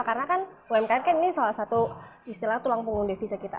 karena kan umkm kan ini salah satu istilah tulang punggung devisa kita